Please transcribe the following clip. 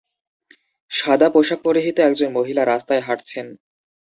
সাদা পোশাক পরিহিত একজন মহিলা রাস্তায় হাঁটছেন।